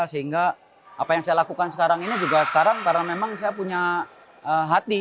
sehingga apa yang saya lakukan sekarang ini juga sekarang karena memang saya punya hati